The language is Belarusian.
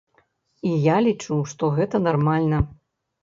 І я лічу, што гэта нармальна.